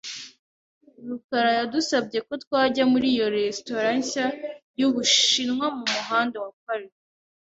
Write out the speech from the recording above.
rukarayadusabye ko twajya muri iyo resitora nshya y'Ubushinwa ku Muhanda wa Park.